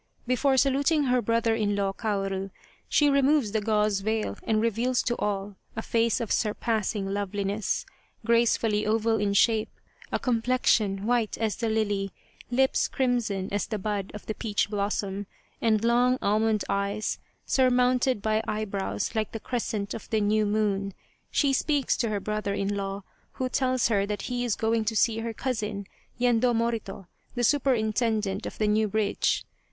Before saluting her brother in law Kaoru, she removes the gauze veil and reveals to all a face of surpassing loveliness gracefully oval in shape, a complexion white as the lily, lips crimson as the bud of the peach blossom, and long almond eyes, sur mounted by eyebrows like the crescent of the new moon. She speaks to her brother in law, who tells her that he is going to see her cousin, Yendo Morito, the superintendent of the new bridge.